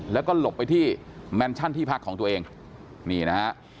แล้วก็หลบไปที่แมนชั่นที่พักของตัวเองนี่นะฮะ